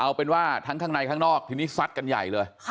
เอาเป็นว่าทั้งข้างในข้างนอกทีนี้ซัดกันใหญ่เลย